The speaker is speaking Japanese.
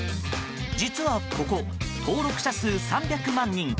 実はここ、登録者数３００万人